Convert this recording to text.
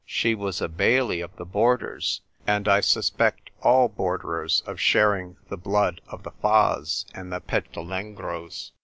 She was a Baillie of the Borders; and I suspect all borderers of sharing the blood of the Faas and the Petulengros.